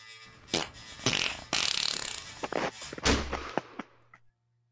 তবে কিছু কিছু কালো লেন্সেও তাপ থেকে গ্লাস এলিমেন্ট বাঁচানোর প্রযুক্তি থাকে।